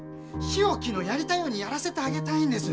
日置のやりたいようにやらせてあげたいんです。